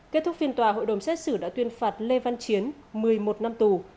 kết thúc phiên tòa hội đồng xét xử đã tuyên phạt lê văn chiến một mươi một năm tù